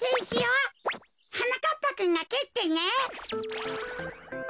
はなかっぱくんがけってね。